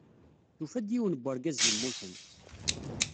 Tufa-d yiwen n wergaz yemmuten.